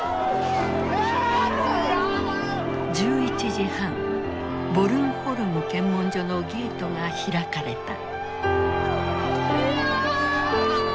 １１時半ボルンホルム検問所のゲートが開かれた。